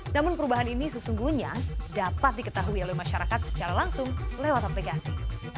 namun perubahan ini sesungguhnya dapat diketahui oleh masyarakat secara langsung lewat aplikasi